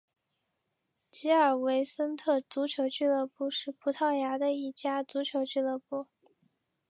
吉尔维森特足球俱乐部是葡萄牙的一家足球俱乐部。